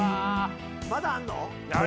まだあんの⁉